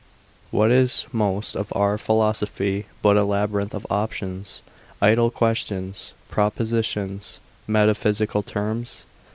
What is most of our philosophy but a labyrinth of opinions, idle questions, propositions, metaphysical terms?